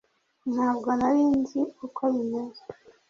ntabwo nari nzi uko bimeze